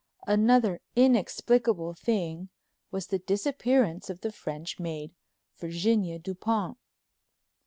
Another inexplicable thing was the disappearance of the French maid, Virginia Dupont.